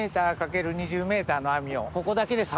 ここだけで。